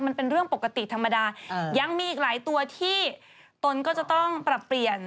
มันเป็นเรื่องปกติธรรมดายังมีอีกหลายตัวที่ตนก็จะต้องปรับเปลี่ยน